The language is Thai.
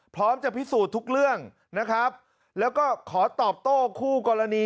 พร้อมจะพิสูจน์ทุกเรื่องนะครับแล้วก็ขอตอบโต้คู่กรณี